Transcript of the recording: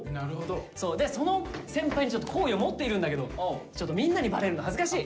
でその先輩にちょっと好意を持っているんだけどちょっとみんなにバレるの恥ずかしい。